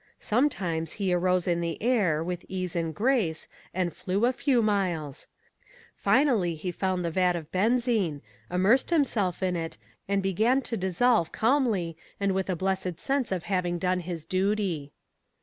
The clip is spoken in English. Sometimes he arose in the air, with ease and grace, and flew a few miles. Finally he found the vat of benzine, immersed himself in it, and began to dissolve calmly and with a blessed sense of having done his duty.